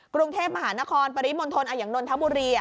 กรุงเทพมหานครปริมนธนอายังนลทะบุรี